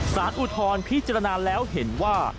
อุทธรณ์พิจารณาแล้วเห็นว่า